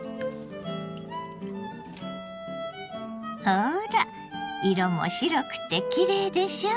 ほら色も白くてきれいでしょ！